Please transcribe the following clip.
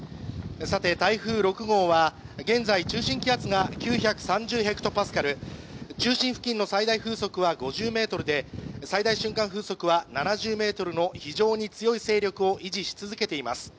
台風６号は、現在中心気圧が９３０ｈＰａ中心付近の最大風速は５０メートルで、最大瞬間風速は７０メートルの非常に強い勢力を維持し続けています。